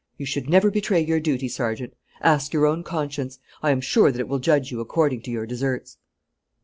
You should never betray your duty, Sergeant. Ask your own conscience: I am sure that it will judge you according to your deserts."